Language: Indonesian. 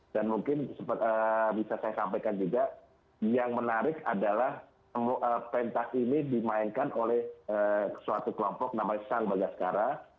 dan mungkin bisa saya sampaikan juga yang menarik adalah pentas ini dimainkan oleh suatu kelompok namanya san bagaskara